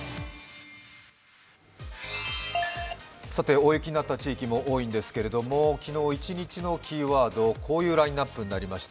大雪になった地域も多いんですけれども、昨日一日のキーワード、こういうラインナップになってました。